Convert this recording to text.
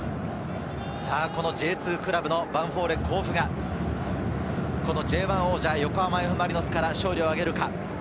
Ｊ２クラブのヴァンフォーレ甲府がＪ１王者・横浜Ｆ・マリノスから勝利をあげるか？